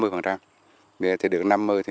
bây giờ thì được năm mươi